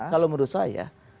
kalau menurut saya